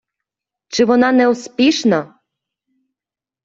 чи вона не успішна?